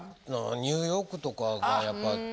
ニューヨークとかがやっぱ。